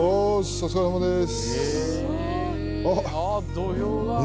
お疲れさまです。